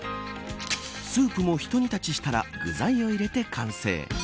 スープも、一煮立ちしたら具材を入れて完成。